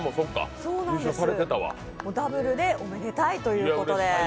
ダブルでおめでたいということで。